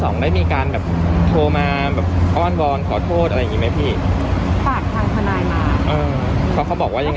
ในเจตนาของเขาที่ติดต่อมาคือต้องการที่จะขอโทษใช่ไหม